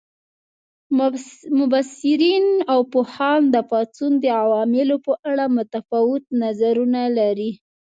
مبصرین او پوهان د پاڅون د عواملو په اړه متفاوت نظرونه لري.